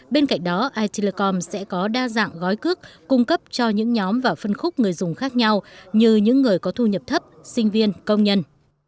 bên cạnh đó itelecom sẽ có đa dạng gói cước cung cấp cho những nhóm và phân khúc người dùng khác nhau như những người có thu nhập thấp sinh viên công nhân